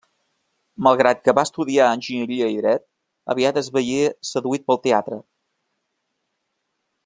Malgrat que va estudiar enginyeria i dret, aviat es veié seduït pel teatre.